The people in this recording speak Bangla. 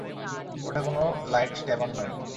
ওটা কোনো লাইটস্ট্যাবার নয়।